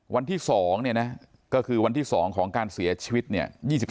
วันที่๒เนี่ยนะก็คือวันที่๒ของการเสียชีวิตเนี่ย